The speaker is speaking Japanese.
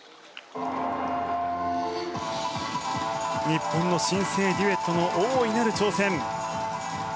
日本の新生デュエットの大いなる挑戦。